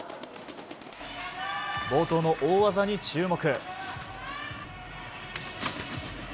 冒頭の大技に注目！